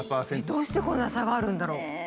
どうしてこんな差があるんだろ？